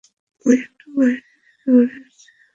আমি একটু বাইরে থেকে ঘুরে আসছি।